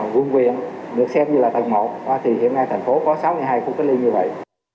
quận quyện được xem như là tầng một thì hiện nay thành phố có sáu mươi hai khu cách ly như vậy